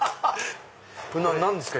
何ですか？